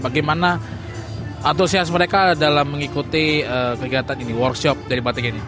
bagaimana antusias mereka dalam mengikuti kegiatan ini workshop dari batik ini